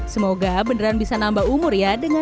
semoga beneran bisa nambah umur ya